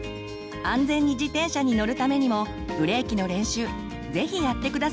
安全に自転車に乗るためにもブレーキの練習是非やって下さいね。